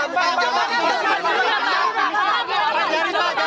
jangan ada yang maju ya